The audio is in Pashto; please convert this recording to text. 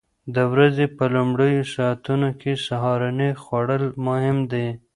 د ورځې په لومړیو ساعتونو کې سهارنۍ خوړل مهم دي.